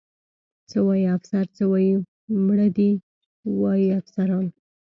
څه وایي؟ افسر څه وایي؟ مړه دې وي افسران.